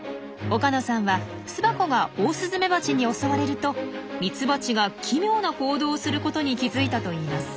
岡野さんは巣箱がオオスズメバチに襲われるとミツバチが奇妙な行動をすることに気付いたといいます。